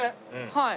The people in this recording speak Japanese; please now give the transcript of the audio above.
はい。